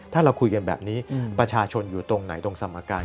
ถ้าเราคุยกันแบบนี้ประชาชนอยู่ตรงไหนตรงสมการ